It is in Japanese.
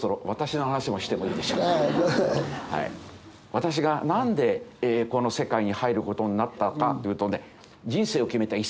私が何でこの世界に入ることになったかというとね